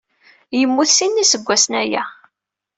Yemmut sin n iseggasen-aya.